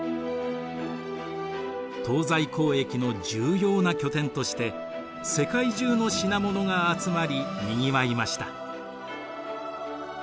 東西交易の重要な拠点として世界中の品物が集まりにぎわいました。